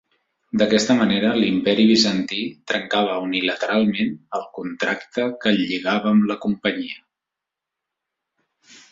D'aquesta manera, l'Imperi Bizantí trencava unilateralment el contracte que el lligava amb la Companyia.